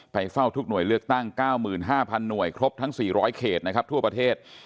เฝ้าทุกหน่วยเลือกตั้ง๙๕๐๐หน่วยครบทั้ง๔๐๐เขตนะครับทั่วประเทศ